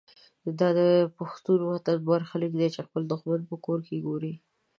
دا د پښتون وطن برخلیک دی چې خپل دښمن په کور کې ګوري.